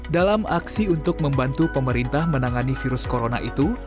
dalam aksi untuk membantu pemerintah menangani virus corona itu